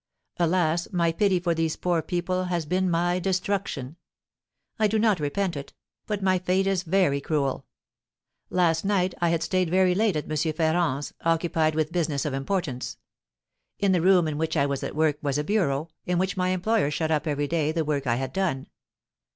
Alas, my pity for these poor people has been my destruction! I do not repent it, but my fate is very cruel. Last night I had stayed very late at M. Ferrand's, occupied with business of importance. In the room in which I was at work was a bureau, in which my employer shut up every day the work I had done.